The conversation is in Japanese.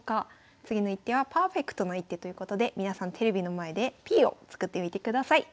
次の一手はパーフェクトな一手ということで皆さんテレビの前でＰを作ってみてください。